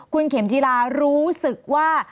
คุณเข็มจีรารู้สึกว่า